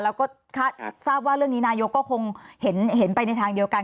แล้วก็ทราบว่าเรื่องนี้นายกก็คงเห็นไปในทางเดียวกัน